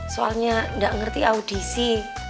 soalnya nggak ngerti audisi